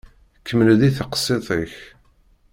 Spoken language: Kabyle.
Kemmel-d i teqsiṭ-ik.